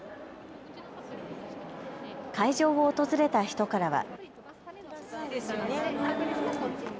会場を訪れた人からは。